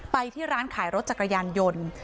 ไปที่ร้านขายรถจักรยานยนต์